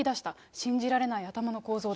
信じられない頭の構造だと。